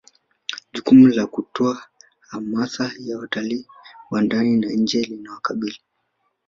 jukumu la kutoa hamasa ya watalii wa ndani na nje linawakabili